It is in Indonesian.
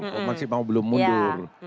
masih mau belum mundur